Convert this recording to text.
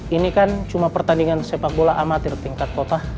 ini kan cuma pertandingan sepak bola amatir tingkat kota